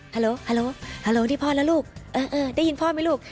ฮัลโหลฮัลโหลฮัลโหลนี่พ่อแล้วลูกได้ยินพ่อมั้ยลูก